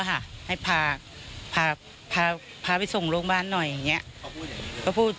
ให้พาไปส่งโรงพยาบาลหน่อยอย่างนี้